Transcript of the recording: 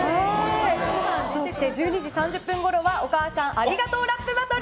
そして１２時３０分ごろはお母さんありがとうラップバトル。